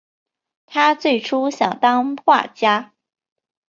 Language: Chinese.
他最初想当画家。